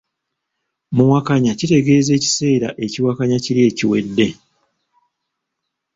Muwakanya kitegeeza ekiseera ekiwakanya kiri ekiwedde.